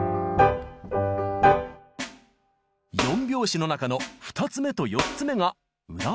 ４拍子の中の２つ目と４つ目が「裏拍」。